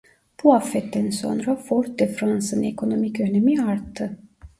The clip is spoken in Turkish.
Bu afetten sonra Fort-de-France'ın ekonomik önemi arttı.